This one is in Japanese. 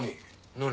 何？